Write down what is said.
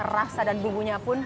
rasa dan bumbunya pun